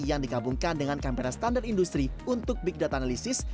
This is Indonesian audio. yang digabungkan dengan kamera standar industri untuk big data analisis